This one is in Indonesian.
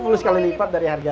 sepuluh kali lipat dari harga